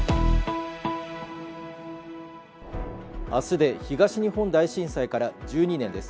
明日で東日本大震災から１２年です。